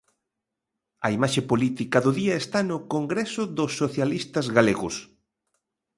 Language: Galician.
A imaxe política do día está no congreso dos socialistas galegos.